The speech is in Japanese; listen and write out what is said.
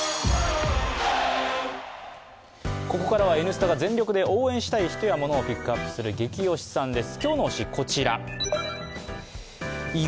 ここからは「Ｎスタ」が全力で応援したい人やモノをピックアップする「ゲキ推しさん」です。